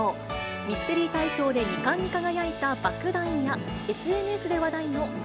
ミステリー大賞で２冠に輝いた爆弾や、ＳＮＳで話題の＃